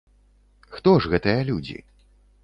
Хто ж гэтыя людзі?